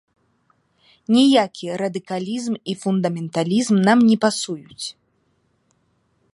Ніякі радыкалізм і фундаменталізм нам не пасуюць.